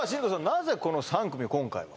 なぜこの３組を今回は？